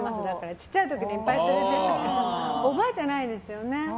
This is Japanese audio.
小さい時にいっぱい連れてったけど覚えてないですよね。